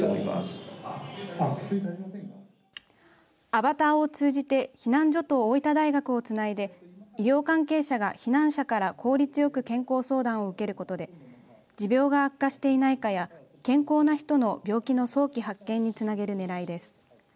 アバターを通じて避難所と大分大学をつないで医療関係者が避難者から効率よく健康相談を受けることで持病が悪化していないかや健康な人の病気の早期発見につなげるねらいです。